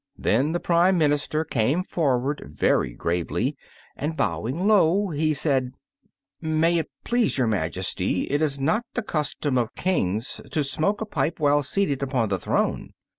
Then the prime minister came forward very gravely, and bowing low he said, "May it please your Majesty, it is not the custom of Kings to smoke a pipe while seated upon the throne."